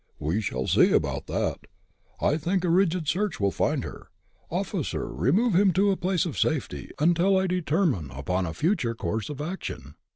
"We shall see about that. I think a rigid search will find her. Officer, remove him to a place of safety, until I determine upon a future course of action."